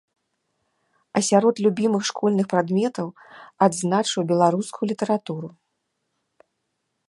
А сярод любімых школьных прадметаў адзначыў беларускую літаратуру.